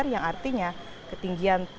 yang artinya ketinggian